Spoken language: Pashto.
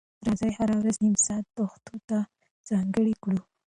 راځئ هره ورځ نیم ساعت پښتو ته ځانګړی کړو.